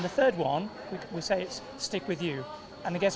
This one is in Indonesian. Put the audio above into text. terima kasih khusus